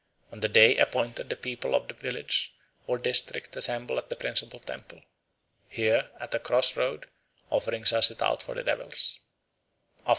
On the day appointed the people of the village or district assemble at the principal temple. Here at a cross road offerings are set out for the devils.